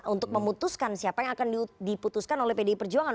untuk memutuskan siapa yang akan diputuskan oleh pdi perjuangan